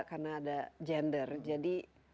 karena ada gender jadi